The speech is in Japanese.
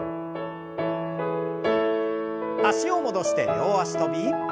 脚を戻して両脚跳び。